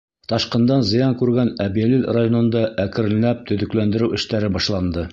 Ташҡындан зыян күргән Әбйәлил районында әкренләп төҙөкләндереү эштәре башланды.